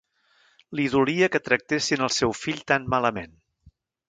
Li dolia que tractessin el seu fill tan malament.